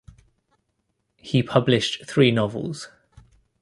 He published three novels.